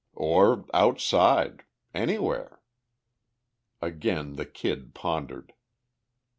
"Or outside. Anywhere." Again the Kid pondered.